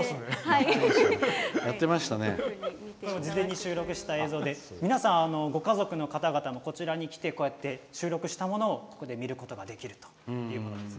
事前に収録した映像で皆さん、ご家族の方々もこちらに来て収録したものをここで見ることができるということなんです。